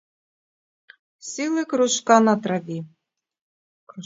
Сіли кружка на траві.